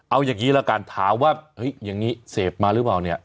เอาอย่างนี้ละกันถามว่าเฮ้ยอย่างนี้เสพมาหรือเปล่าเนี่ย